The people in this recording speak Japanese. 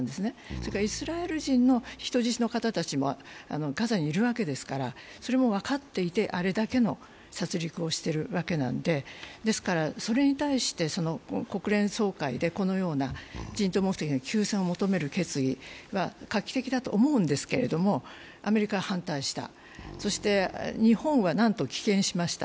そしてイスラエル人の人質の人たちもガザにいるわけですから、それも分かっていてあれだけの殺りくをしているわけなので、ですから、それに対して国連総会でこのような人道目的の休戦を求める決議は画期的だと思うんですけれども、アメリカは反対した、そして日本はなんと棄権しました。